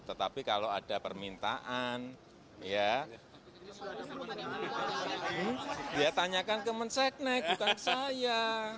tetapi kalau ada permintaan dia tanyakan ke menseknek bukan saya